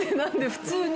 普通に。